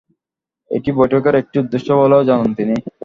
এটি বৈঠকের একটি উদ্দেশ্য বলেও জানান তিনি।